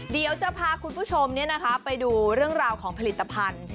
เดี๋ยวจะพาคุณผู้ชมไปดูเรื่องราวของผลิตภัณฑ์